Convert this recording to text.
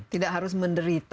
tidak harus menderita